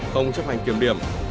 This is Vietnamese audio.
không chấp hành kiểm điểm